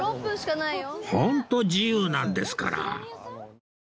本当自由なんですから